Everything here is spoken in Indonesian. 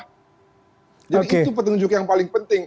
jadi itu petunjuk yang paling penting